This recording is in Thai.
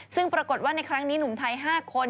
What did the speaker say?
ซึ่งปรากฏว่าในครั้งนี้หนุ่มไทย๕คน